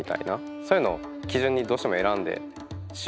そういうのを基準にどうしても選んでしまうんですよね。